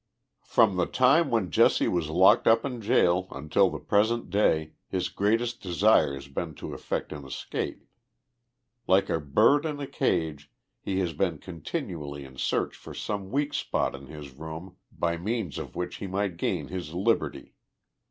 From the time 'when Jesse was locked up in jail until the present day his greatest desire has been to effect an escape. Like a bird in a cage, he has been continually in search for some weak spot in his room by means of which he might gain his liberty.